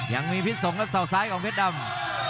ยังมีพิษสงฆ์ครับเสาซ้ายของเพชรดำ